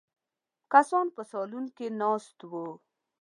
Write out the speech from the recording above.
کسان په سالون کې ناست وو.